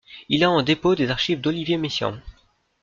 Il a en dépôt des archives d'Olivier Messiaen.